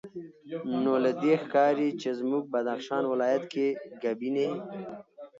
نو له دې ښکاري چې زموږ بدخشان ولایت کې ګبیني